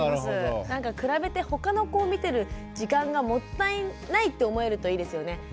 なんか比べてほかの子を見てる時間がもったいないと思えるといいですよね。